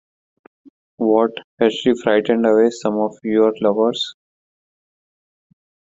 What, has she frightened away some of your lovers?